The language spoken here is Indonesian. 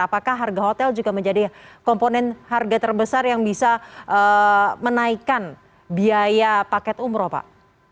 apakah harga hotel juga menjadi komponen harga terbesar yang bisa menaikkan biaya paket umroh pak